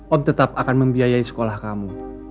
om tetap akan membiayai sekolah kamu